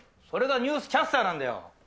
それがニュースキャスターなんだよ。